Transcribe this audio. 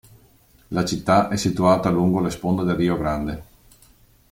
La città è situata lungo le sponde del Rio Grande.